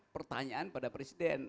pertanyaan pada presiden